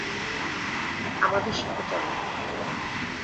আমাদের সাথে চলো।